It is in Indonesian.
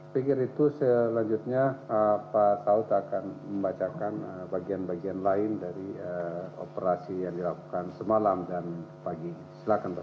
pikir itu selanjutnya pak saud akan membacakan bagian bagian lain dari operasi yang dilakukan semalam dan pagi silahkan pak